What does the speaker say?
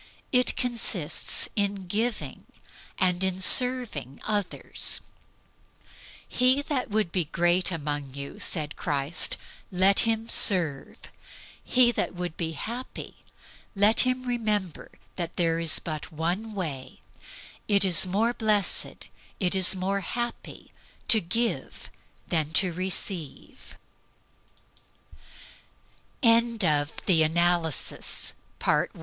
It consists in giving, and in serving others. "He that would be great among you," said Christ, "let him serve." He that would be happy, let him remember that there is but one way "it is more blessed, it is more happy, to give than to rece